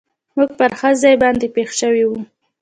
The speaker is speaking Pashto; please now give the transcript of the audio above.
موږ پر ښه ځای باندې پېښ شوي و.